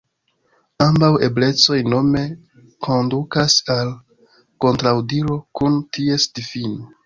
Ambaŭ eblecoj nome kondukas al kontraŭdiro kun ties difino.